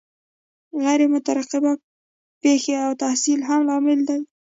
غیر مترقبه پیښې او تحصیل هم لاملونه دي.